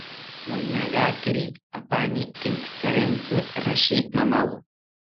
Noñagakiri apaani kenkitharentzi rashi mamawo